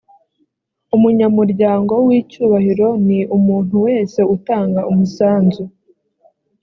umunyamuryango w’ icyubahiro ni umuntu wese utanga umusanzu.